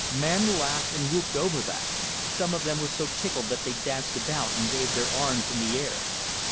Men laughed and whooped over that; some of them were so tickled that they danced about and waved their arms in the air.